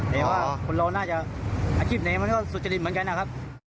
แต่ว่าคนเราน่าจะอาชีพไหนมันก็สุจริตเหมือนกันนะครับ